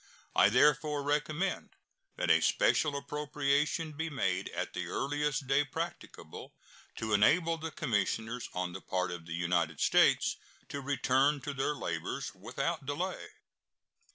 I therefore recommend that a special appropriation be made at the earliest day practicable, to enable the commissioners on the part of the United States to return to their labors without delay.